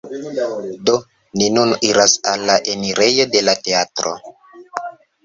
Do, ni nun iras al la enirejo de la teatro